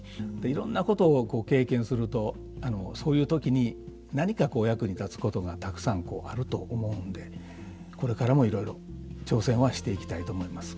いろんなことを経験するとそういう時に何かこう役に立つことがたくさんあると思うんでこれからもいろいろ挑戦はしていきたいと思います。